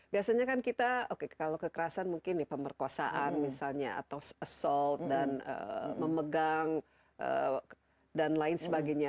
biasanya kan kita oke kalau kekerasan mungkin pemerkosaan misalnya atau assold dan memegang dan lain sebagainya